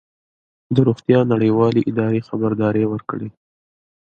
د روغتیا نړیوالې ادارې خبرداری ورکړی